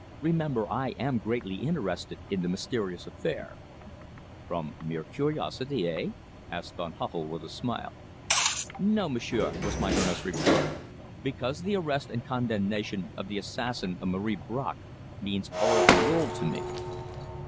"Remember, I am greatly interested in the mysterious affair." "From mere curiosity eh?" asked Van Huffel with a smile. "No, m'sieur," was my earnest reply. "Because the arrest and condemnation of the assassin of Marie Bracq means all the world to me."